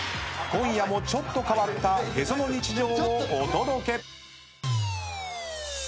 今夜もちょっと変わったへその日常をお届け。